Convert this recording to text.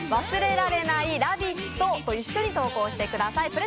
忘れられないラヴィット」と一緒に投稿してください。